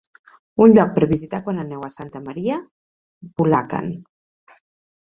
Un lloc per visitar quan aneu a Santa Maria, Bulacan.